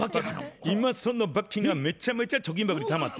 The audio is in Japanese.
今その罰金がめちゃめちゃ貯金箱にたまって。